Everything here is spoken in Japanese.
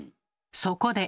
そこで。